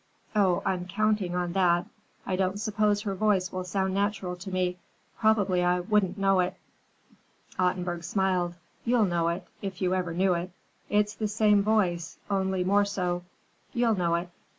"Oh, I'm counting on that. I don't suppose her voice will sound natural to me. Probably I wouldn't know it." Ottenburg smiled. "You'll know it, if you ever knew it. It's the same voice, only more so. You'll know it."